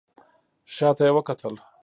شا ته يې وکتل.